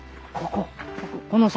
ここ！